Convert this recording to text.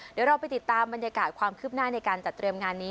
เดี๋ยวเราไปติดตามบรรยากาศความคืบหน้าในการจัดเตรียมงานนี้